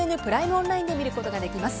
オンラインで見ることができます。